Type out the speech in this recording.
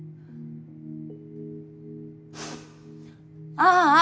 ああ！